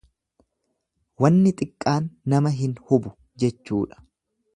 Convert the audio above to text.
Wanni xiqqaan nama hin hubu jechuudha.